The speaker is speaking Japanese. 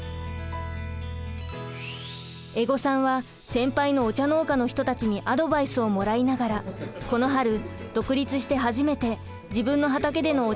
江籠さんは先輩のお茶農家の人たちにアドバイスをもらいながらこの春独立して初めて自分の畑でのお茶の収穫を目指しています。